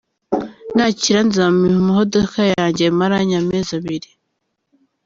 Ni akira nzamuha imodoka yanjye maranye amezi abiri.